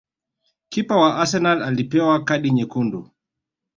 Kipa wa Arsenal alipewa kadi nyekundu